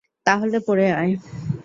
তাহলে পরে আয়।